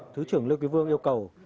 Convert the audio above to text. thứ trưởng lê quý vương yêu cầu